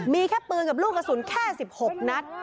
มีแค่ปืนกับลูกกระสุนแค่๑๖นัด